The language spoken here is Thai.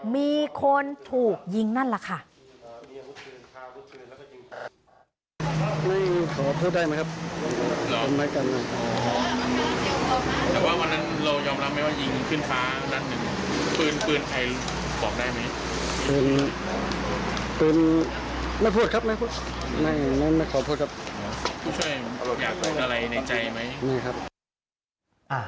มีคนถูกยิงนั่นแหละค่ะ